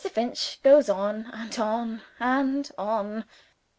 Finch goes on and on and on.